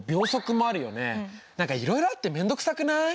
何かいろいろあってめんどくさくない？